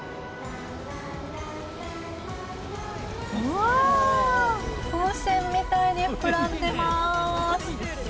わー、風船みたいに膨らんでます。